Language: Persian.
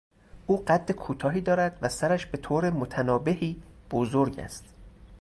او قد کوتاهی دارد و سرش به طور متنابهی بزرگ است.